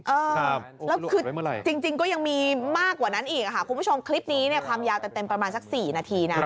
เออแล้วคือจริงก็ยังมีมากกว่านั้นอีกค่ะคุณผู้ชมคลิปนี้เนี่ยความยาวเต็มประมาณสัก๔นาทีนะ